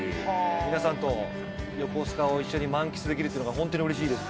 皆さんと横須賀を一緒に満喫できるっていうのがホントに嬉しいです。